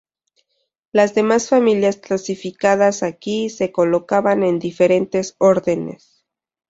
Las demás familias clasificadas aquí se colocaban en diferentes órdenes.